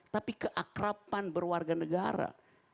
tapi keakrapan berwarga negara